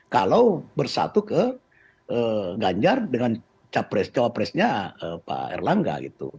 kalau bersatu ke ganjar dengan capres cawapresnya pak erlangga gitu